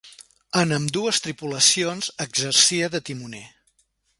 En ambdues tripulacions exercia de timoner.